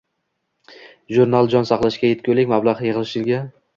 Jurnal jon saqlashiga yetgulik mablag‘ yig‘ilishiga